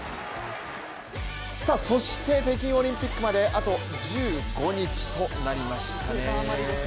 さあそして北京オリンピックまであと１５日となりました